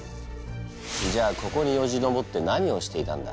じゃあここによじ登って何をしていたんだ？